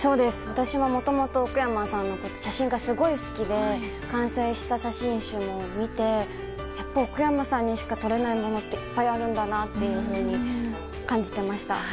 私も、もともと奥山さんの写真がすごい好きで完成した写真集を見てやっぱり奥山さんにしか撮れないものっていっぱいあるんだなと感じていました。